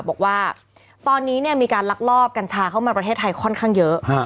บอกว่าตอนนี้เนี่ยมีการลักลอบกัญชาเข้ามาประเทศไทยค่อนข้างเยอะ